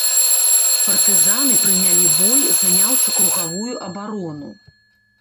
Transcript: Партызаны прынялі бой, заняўшы кругавую абарону.